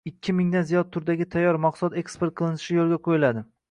ikki mingdan ziyod turdagi tayyor mahsulot eksport qilinishi yo‘lga qo‘yiladi.